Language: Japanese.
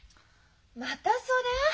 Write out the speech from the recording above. またそれ？